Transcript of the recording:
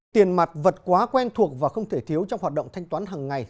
tiền mặt vật quá quen thuộc và không thể thiếu trong hoạt động thanh toán hằng ngày